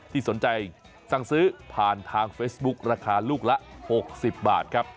ที่สนใจสั่งซื้อผ่านทางเฟซบุ๊คราคาลูกละ๖๐บาทครับ